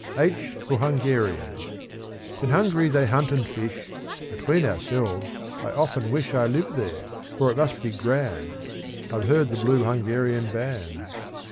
H for Hungarian. In Hungary they hunt and fish; Between ourselves, I often wish I lived there, for it must be grand; I've heard the Blue Hungarian Band.